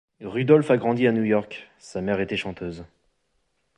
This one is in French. Rudolf a grandi à New York, sa mère était chanteuse.